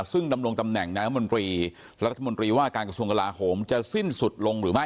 ซึ่งดำรงตำแหน่งนายมนตรีรัฐมนตรีว่าการกระทรวงกลาโหมจะสิ้นสุดลงหรือไม่